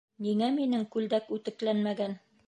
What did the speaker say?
Ниңә минең күлдәк үтекләнмәгән?